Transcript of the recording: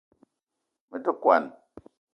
Me te kwuan